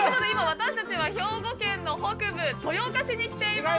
私たちは兵庫県の北部豊岡市に来ています。